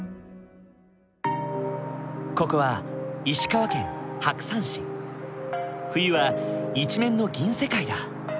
ここは冬は一面の銀世界だ。